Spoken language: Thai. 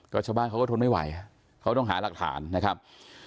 ก็ชาวบ้านเขาก็ทนไม่ไหวเขาต้องหาหลักฐานนะครับ